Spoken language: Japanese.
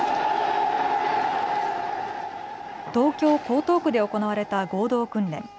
東京江東区で行われた合同訓練。